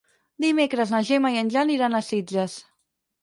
Dimecres na Gemma i en Jan iran a Sitges.